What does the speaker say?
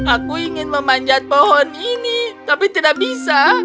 aku ingin memanjat pohon ini tapi tidak bisa